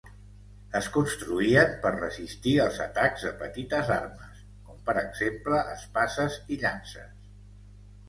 Es construïen per resistir els atacs de petites armes, com per exemple espases i llances.